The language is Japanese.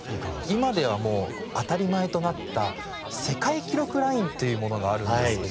今ではもう当たり前となった世界記録ラインというものがあるんですけど。